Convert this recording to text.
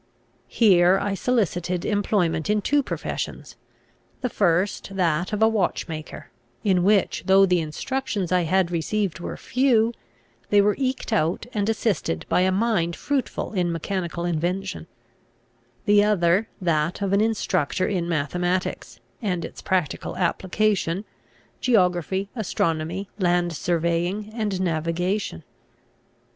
Here I solicited employment in two professions; the first, that of a watchmaker, in which though the instructions I had received were few, they were eked out and assisted by a mind fruitful in mechanical invention; the other, that of an instructor in mathematics and its practical application, geography, astronomy, land surveying, and navigation.